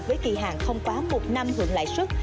với kỳ hạn không quá một năm hưởng lãi suất